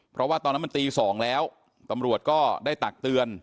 เพราะว่าตอนนั้นมันตี๒แล้วตำรวจก็ได้ตักเตือน